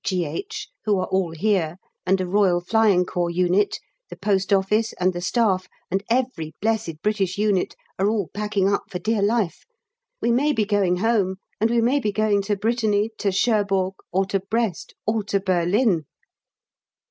G.H., who are all here, and a Royal Flying Corps unit, the Post Office, and the Staff, and every blessed British unit, are all packing up for dear life. We may be going home, and we may be going to Brittany, to Cherbourg, or to Brest, or to Berlin.